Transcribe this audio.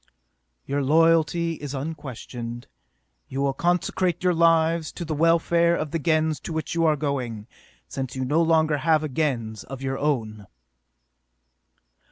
"Your loyalty is unquestioned. You will consecrate your lives to the welfare of the Gens to which you are going, since you no longer have a Gens of your own!"